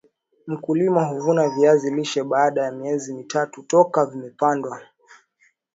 mkulima huvuna viazi lishe baada ya miezi mitatu toka vimepandwa